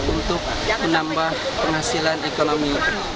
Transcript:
untuk menambah penghasilan ekonomi